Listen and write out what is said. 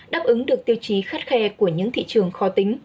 đáp ứng được tiêu chí khắt khe của những thị trường khó tính